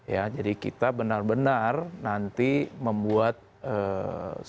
ya jadi kita benar benar nanti membuat suasana yang membangun partisipasi masyarakat untuk hadir ke tpt